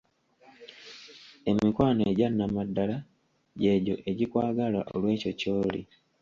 Emikwano egyannamaddala gy'egyo egikwagala olw'ekyo ky'oli.